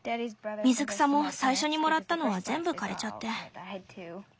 水草も最初にもらったのは全部枯れちゃって。